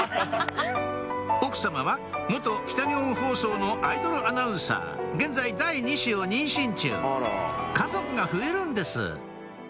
奥様は北日本放送のアイドルアナウンサー現在第２子を妊娠中家族が増えるんです